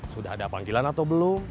sudah ada panggilan atau belum